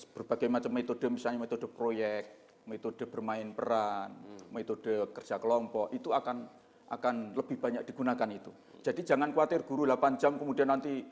berbagai macam metode misalnya metode proyek metode bermain peran metode kerja kelompok itu akan akan lebih banyak digunakan itu jadi jangan khawatir guru delapan jam kemudian nanti